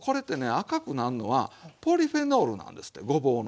赤くなんのはポリフェノールなんですってごぼうの。